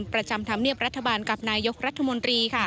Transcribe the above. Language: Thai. ประจำธรรมเนียบรัฐบาลกับนายกรัฐมนตรี